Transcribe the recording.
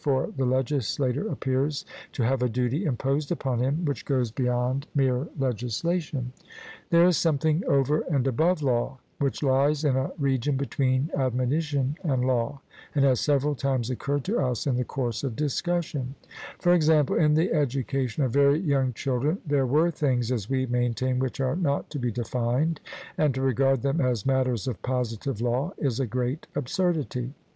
For the legislator appears to have a duty imposed upon him which goes beyond mere legislation. There is something over and above law which lies in a region between admonition and law, and has several times occurred to us in the course of discussion; for example, in the education of very young children there were things, as we maintain, which are not to be defined, and to regard them as matters of positive law is a great absurdity.